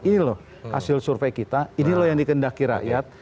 ini loh hasil survei kita ini loh yang dikendaki rakyat